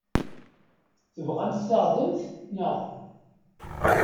Tebɣamt taɣdemt, naɣ?